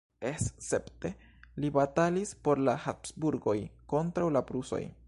Escepte li batalis por la Habsburgoj kontraŭ la prusoj.